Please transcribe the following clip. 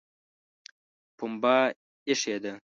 پمبه ایښې ده